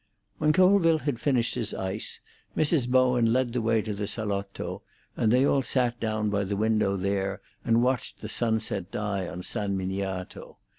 When Colville had finished his ice, Mrs. Bowen led the way to the salotto; and they all sat down by the window there and watched the sunset die on San Miniato.